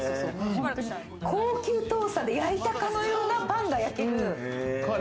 高級トースターで焼いたかのようなパンが焼ける。